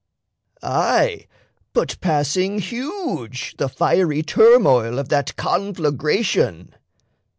"Aye, but passing huge The fiery turmoil of that conflagration!"